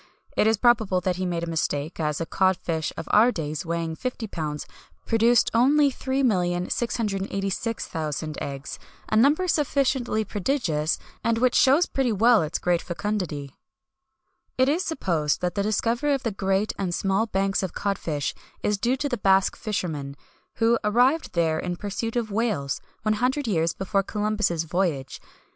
It is probable he made a mistake, as a cod fish of our days, weighing 50lbs., produced only 3,686,000 eggs a number sufficiently prodigious, and which shows pretty well its great fecundity.[XXI 158] It is supposed that the discovery of the great and small banks of cod fish is due to the Basque fishermen, who arrived there in pursuit of whales, one hundred years before Columbus' voyage.